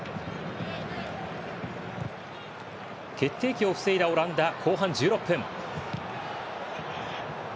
決定機を防いだオランダ後半１６分。